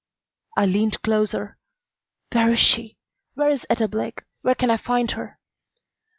I leaned closer. "Where is she? Where is Etta Blake? Where can I find her?"